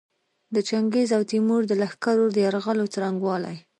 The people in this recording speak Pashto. د چنګیز او تیمور د لښکرو د یرغلونو څرنګوالي.